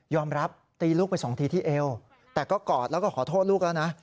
รับตีลูกไปสองทีที่เอวแต่ก็กอดแล้วก็ขอโทษลูกแล้วนะ